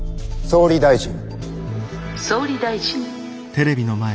「総理大臣」。